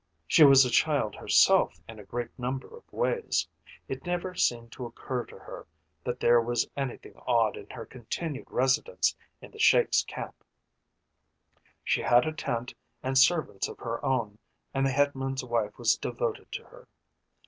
She was a child herself in a great number of ways. It never seemed to occur to her that there was anything odd in her continued residence in the Sheik's camp. She had a tent and servants of her own, and the headman's wife was devoted to her.